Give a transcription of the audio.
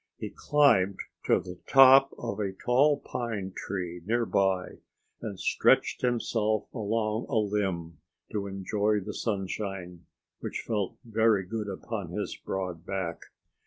He climbed to the top of a tall pine tree nearby and stretched himself along a limb, to enjoy the sunshine, which felt very good upon his broad back.